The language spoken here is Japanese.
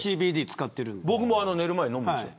僕も寝る前に飲むんですよ。